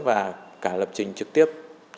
và cả lập trình trực tiếp